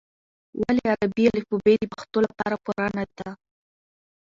ولې عربي الفبې د پښتو لپاره پوره نه ده؟